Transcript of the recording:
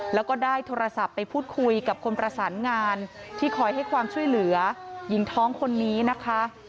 แล้วก็ได้โทรศัพท์ไปพูดคุยกับคนประสานงานที่คอยให้ความช่วยเหลือหญิงท้องคนนี้นะคะ